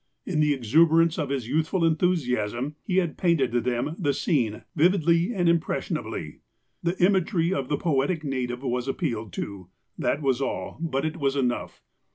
In the exuberance of his youthful enthusiasm, he had painted to them the scene, vividly and impressionably. The imagery of the poetic native was appealed to. That was all. But it was enough.